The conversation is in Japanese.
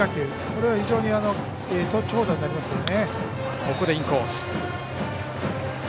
これは非常に長打になりますから。